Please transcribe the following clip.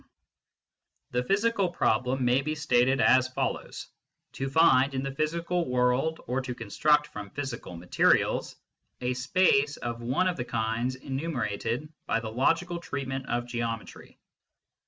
n6 MYSTICISM AND LOGIC The physical problem may be stated as follows : to find in the physical world, or to construct from physical materials, a space of one of the kinds enumerated by the logical treatment of geometry.